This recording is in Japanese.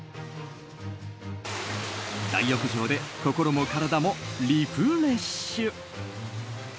大浴場で心も体もリフレッシュ。